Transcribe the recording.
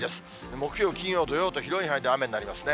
木曜、金曜、土曜と広い範囲で雨になりますね。